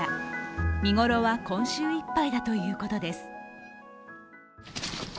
見頃は今週いっぱいだということです。